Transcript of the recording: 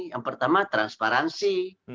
yang pertama transparansi